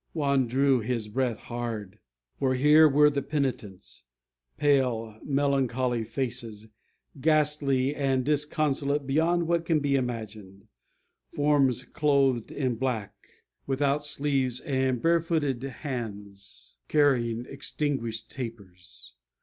Juan drew his breath hard, for here were the penitents: pale, melancholy faces, "ghastly and disconsolate beyond what can be imagined;"[#] forms clothed in black, without sleeves, and barefooted hands carrying extinguished tapers.